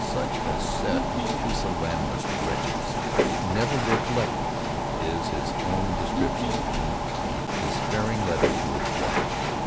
'Such a set of pusillanimous wretches never were collected' is his own description in a despairing letter to his wife.